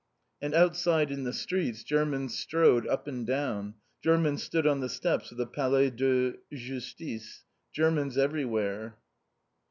And outside in the streets Germans strode up and down, Germans stood on the steps of the Palais de Justice, Germans everywhere.